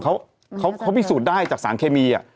เขาพิสูจน์ได้จากสารเคมี